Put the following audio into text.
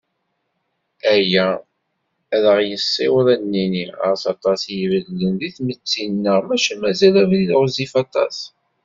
Aya, ad aɣ-yessiweḍ ad d-nini: Ɣas aṭas i ibeddlen deg tmetti-nneɣ, maca mazal abrid ɣezzif aṭas.